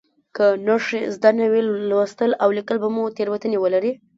که نښې زده نه وي لوستل او لیکل به مو تېروتنې ولري.